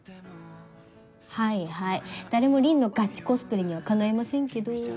はいはい誰も凛のガチコスプレにはかないませんけど。